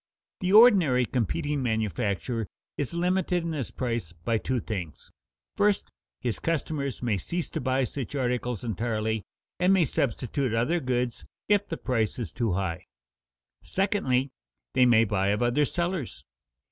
The ordinary competing manufacturer is limited in his price by two things: first, his customers may cease to buy such articles entirely and may substitute other goods if the price is too high; secondly, they may buy of other sellers.